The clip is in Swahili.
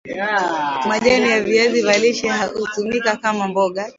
majani ya viazi vya lishe hutumika kama mboga